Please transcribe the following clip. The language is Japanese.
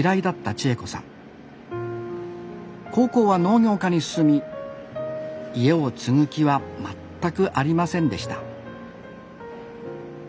高校は農業科に進み家を継ぐ気は全くありませんでした